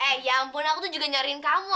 eh ya ampun aku tuh juga nyariin kamu